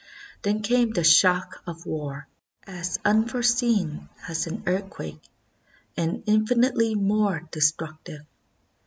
Then came the shock of war, as unforeseen as an earthquake, and infinitely more destructive.